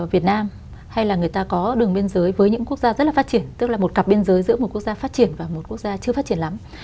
việt nam hay là người ta có đường biên giới với những quốc gia rất là phát triển tức là một cặp biên giới giữa một quốc gia phát triển và một quốc gia chưa phát triển lắm